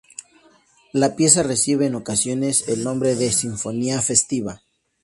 La pieza recibe en ocasiones el nombre de "Sinfonía festiva".